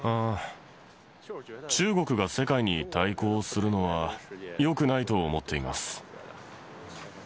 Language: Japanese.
中国が世界に対抗するのは、よくないと思っています。